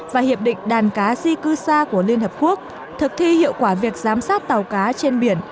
và hiệp định đàn cá di cư xa của liên hợp quốc thực thi hiệu quả việc giám sát tàu cá trên biển